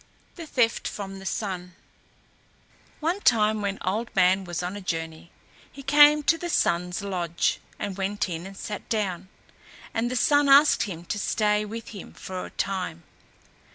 THE THEFT FROM THE SUN One time when Old Man was on a journey, he came to the Sun's lodge, and went in and sat down, and the Sun asked him to stay with him for a time.